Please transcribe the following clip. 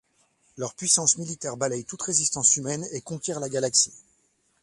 Leur puissance militaire balaye toute résistance humaine et conquiert la galaxie.